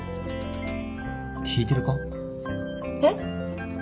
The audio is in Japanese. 聞いてるか？